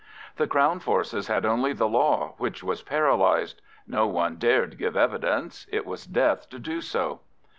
The Crown forces had only the law, which was paralysed. No one dared give evidence; it was death to do so.